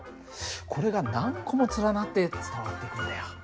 これが何個も連なって伝わっていくんだよ。